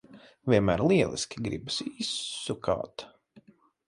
Vienmēr lieliski! Gribas izsukāt.